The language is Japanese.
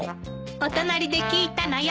お隣で聞いたのよ。